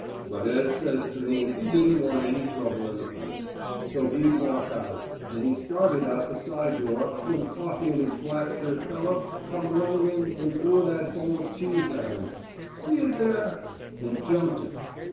But Ed says to me he didn't want any trouble in the place, so's he'd walk out, and he started out the side door, when Coffey and this blackshirt fellow come running in and threw that bowl of cheese at him see it there and jumped him.